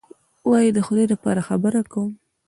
وایي: د خدای لپاره خبره کوم.